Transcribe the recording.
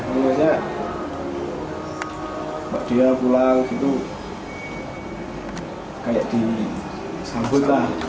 maksudnya kalau dia pulang gitu kayak disambut lah